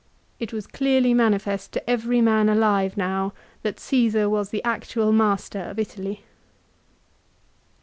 It was clearly manifest to every man alive now that Csesar was the actual master of Italy.